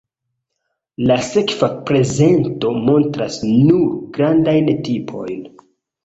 La sekva prezento montras nur grandajn tipojn.